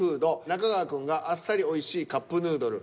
中川くんが「あっさりおいしいカップヌードル」。